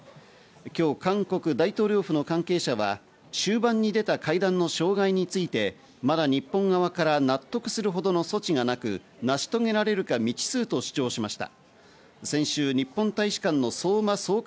今日、韓国大統領府の関係者は終盤に出た会談の障害についてまだ日本側から納得するほどの措置がなく、成し遂げられるか未知数と主張しました。